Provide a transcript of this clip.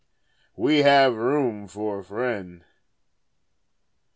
We have room for a friend!